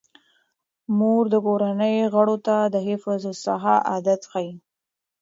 مور د کورنۍ غړو ته د حفظ الصحې عادات ښيي.